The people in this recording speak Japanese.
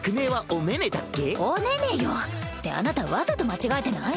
お寧々よ！ってあなたわざと間違えてない？